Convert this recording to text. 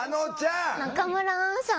中村アンさんです。